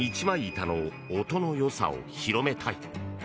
板の音の良さを広めたい。